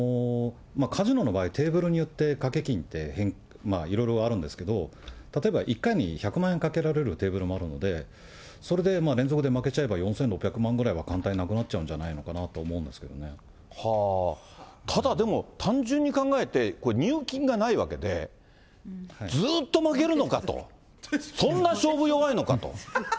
カジノの場合、テーブルによって賭け金っていろいろあるんですけど、例えば１回に１００万円賭けられるテーブルもあるので、それで連続で負けちゃえば、４６００万ぐらいは簡単になくなっちゃうんじゃないのかなと思うただ、でも単純に考えて、これ、入金がないわけで、ずっと負けるのかと、そうですね。